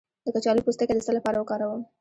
د کچالو پوستکی د څه لپاره وکاروم؟